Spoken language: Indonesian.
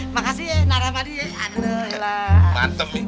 makasih ya naramadi ya